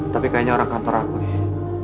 tapi kayaknya orang kantor aku nih